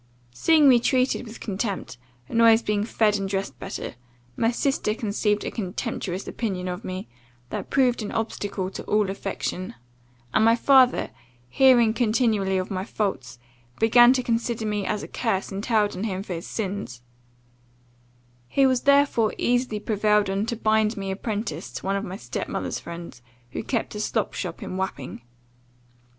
Seeing me treated with contempt, and always being fed and dressed better, my sister conceived a contemptuous opinion of me, that proved an obstacle to all affection; and my father, hearing continually of my faults, began to consider me as a curse entailed on him for his sins: he was therefore easily prevailed on to bind me apprentice to one of my step mother's friends, who kept a slop shop in Wapping.